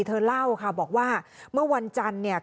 เธอเล่าค่ะบอกว่าเมื่อวันจันทร์เนี่ย